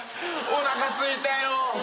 おなかすいた。